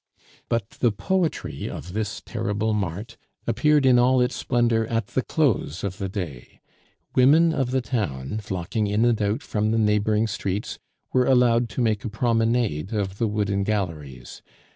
But the poetry of this terrible mart appeared in all its splendor at the close of the day. Women of the town, flocking in and out from the neighboring streets, were allowed to make a promenade of the Wooden Galleries.